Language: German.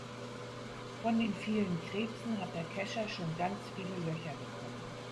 Von den vielen Krebsen hat der Kescher schon ganz viele Löcher bekommen.